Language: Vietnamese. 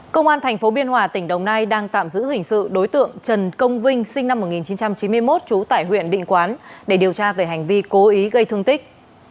công an tp biên hòa tỉnh đồng nai đang tạm giữ hình sự đối tượng trần công vinh sinh năm một nghìn chín trăm chín mươi một trú tại huyện định quán để điều tra về hành vi cố ý gây thương tích